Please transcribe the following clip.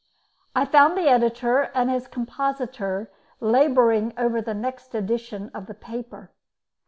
I found the editor and his compositor labouring over the next edition of the paper.